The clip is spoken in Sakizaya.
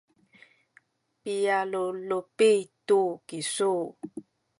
pialulupi tu kisu